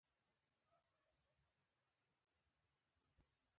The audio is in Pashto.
د خوړو خوندیتوب له زراعت سره تړاو لري.